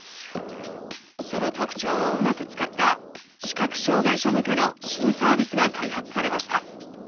その特徴をうまく使った視覚障害者向けの新サービスが開発されました。